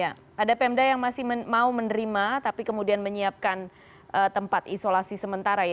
ya ada pemda yang masih mau menerima tapi kemudian menyiapkan tempat isolasi sementara